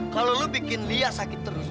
kalau lo bikin lia sakit terus